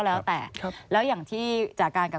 สวัสดีค่ะที่จอมฝันครับ